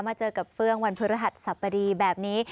เจอกับเฟื่องวันพฤหัสสัปดีแบบนี้